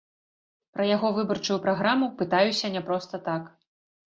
Пра яго выбарчую праграму пытаюся не проста так.